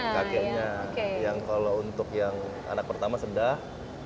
kakeknya yang kalau untuk yang anak pertama sedah